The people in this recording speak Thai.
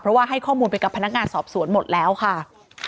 เพราะว่าให้ข้อมูลไปกับพนักงานสอบสวนหมดแล้วค่ะ